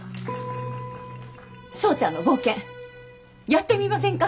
「正チャンの冒険」やってみませんか？